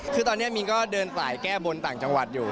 คือตอนนี้มินก็เดินสายแก้บนต่างจังหวัดอยู่